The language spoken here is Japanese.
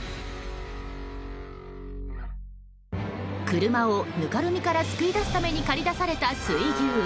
車をぬかるみから救い出すために駆り出された水牛。